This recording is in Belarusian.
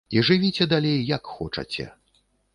І жывіце далей як хочаце.